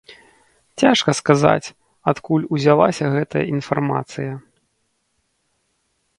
Цяжка сказаць, адкуль узялася гэтая інфармацыя.